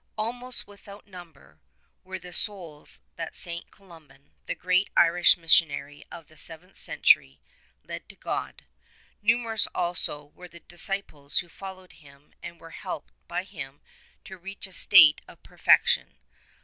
Almost without number were the souls that Saint Columban, the great Irish mis sionary of the Seventh Century, led to God ; numerous also were the disciples who followed him and who were helped by him to reach a state of perfection.